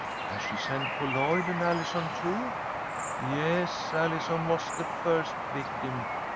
"Has she sent for Lloyd and Allison, too?" "Yes, Allison was the first victim.